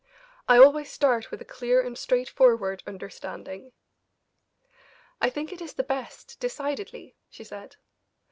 I always start with a clear and straightforward understanding." "I think it is the best, decidedly," she said.